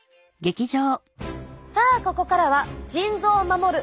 さあここからは腎臓を守る